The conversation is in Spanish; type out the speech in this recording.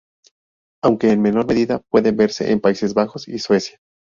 Aunque en menor medida puede verse en Países Bajos y Suecia.